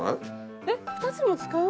えっ２つも使う？